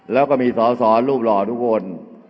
แล้วก็มีสอสอรูปหล่อทุกคน